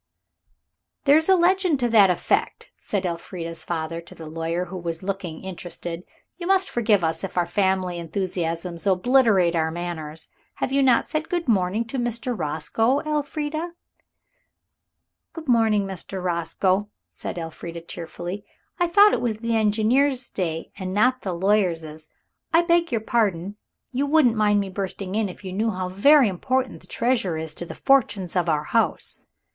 "There is a legend to that effect," said Elfrida's father to the lawyer, who was looking interested. "You must forgive us if our family enthusiasms obliterate our manners. You have not said good morning to Mr. Roscoe, Elfrida." "Good morning, Mr. Roscoe," said Elfrida cheerfully. "I thought it was the engineer's day and not the lawyer's. I beg your pardon, you wouldn't mind me bursting in if you knew how very important the treasure is to the fortunes of our house."